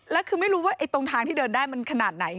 แล้วคือไม่รู้ว่าตรงทางที่เดินได้มันขนาดไหน